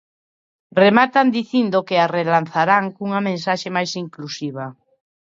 Rematan dicindo que a relanzarán cunha mensaxe máis inclusiva.